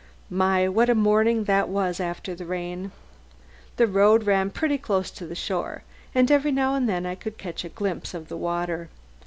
My, what a morning that was after the rain! The road ran pretty close to the shore, and every now and then I could catch a glimpse of the water.